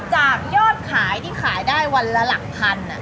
จากยอดขายที่ขายได้วันละหลักพัน